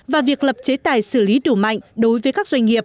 và việc lập chế tài xử lý đủ mạnh đối với các doanh nghiệp